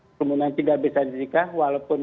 kerumunan tidak bisa didikkah walaupun